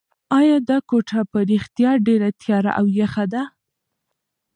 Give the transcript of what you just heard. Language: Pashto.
ایا دا کوټه په رښتیا ډېره تیاره او یخه ده؟